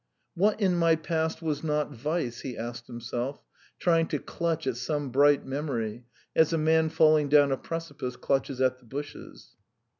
... "What in my past was not vice?" he asked himself, trying to clutch at some bright memory as a man falling down a precipice clutches at the bushes.